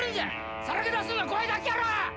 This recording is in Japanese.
さらけ出すのが怖いだけやろ！